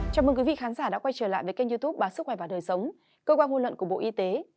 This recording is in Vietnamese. chào mừng quý vị khán giả đã quay trở lại với kênh youtube bà sức khỏe và đời sống cơ quan ngôn luận của bộ y tế